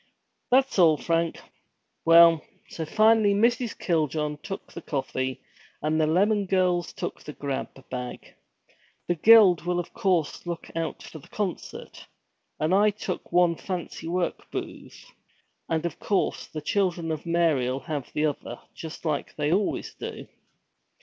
'That's all, Frank. Well! So finally Mrs. Kiljohn took the coffee, and the Lemmon girls took the grab bag. The Guild will look out for the concert, and I took one fancy work booth, and of course, the Children of Mary'll have the other, just like they always do.'